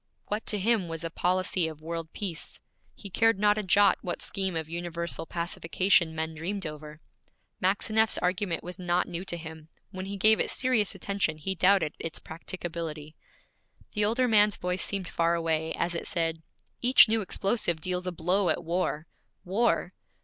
What to him was a policy of world peace? He cared not a jot what scheme of universal pacification men dreamed over. Maxineff's argument was not new to him; when he gave it serious attention he doubted its practicability. The older man's voice seemed far away, as it said, 'Each new explosive deals a blow at war, war!'